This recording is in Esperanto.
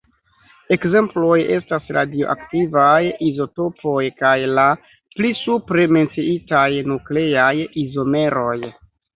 Ekzemploj estas radioaktivaj izotopoj kaj la pli supre menciitaj nukleaj izomeroj.